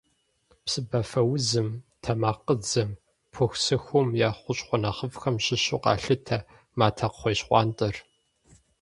Псыбафэузым, тэмакъыдзэм, пыхусыхум я хущхъуэ нэхъыфӏхэм щыщу къалъытэ матэкхъуейщхъуантӏэр.